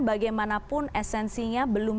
bagaimanapun esensinya belum